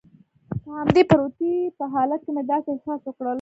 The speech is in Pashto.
په همدې پروتې په حالت کې مې داسې احساس وکړل.